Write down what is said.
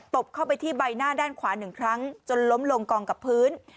บเข้าไปที่ใบหน้าด้านขวา๑ครั้งจนล้มลงกองกับพื้น